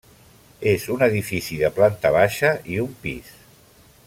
És un edifici de planta baixa i un pis.